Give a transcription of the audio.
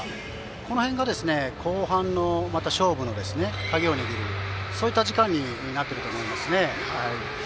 この辺が後半の勝負の鍵を握るそういった時間になっていると思います。